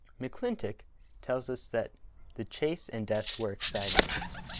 McClintock tells us that "The chase and death were e.xciting.